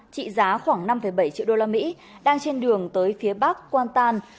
trị giá khoảng năm bảy triệu đô la mỹ đang trên đường tới phía bắc qatan